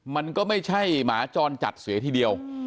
มันก็ไม่ใช่หมาจรจัดเสียทีเดียว